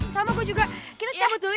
sama gue juga kita cabut dulu ya